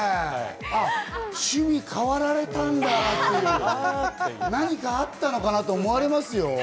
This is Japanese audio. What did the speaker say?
趣味変わられたんだっていう、何かあったのかな？と思われますよ。